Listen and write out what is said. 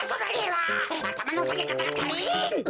あたまのさげかたがたりん！